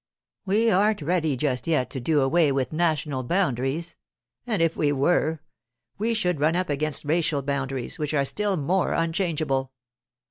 We aren't ready just yet to do away with national boundaries; and if we were, we should run up against racial boundaries, which are still more unchangeable.